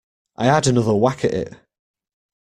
I had another whack at it.